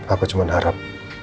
aku cuma harap